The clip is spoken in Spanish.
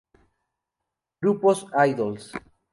Grupos Idols.